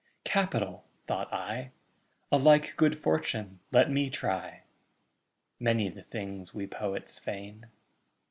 'Capital!' thought I. 'A like good fortune let me try.' Many the things we poets feign.